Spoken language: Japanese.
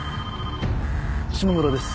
島村です。